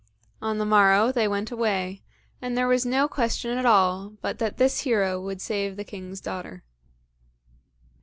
On the morrow they went away, and there was no question at all but that this hero would save the king's daughter.